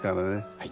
はい。